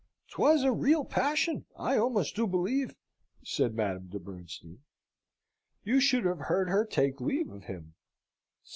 "'Twas a real passion, I almost do believe," said Madame de Bernstein. "You should have heard her take leave of him.